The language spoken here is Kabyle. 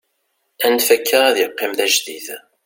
anef akka ad yeqqim d ajdid